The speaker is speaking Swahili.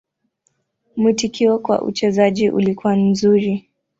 Mwitikio kwa uchezaji ulikuwa mzuri.